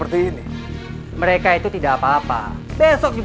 ayo kita jarak jarak dulu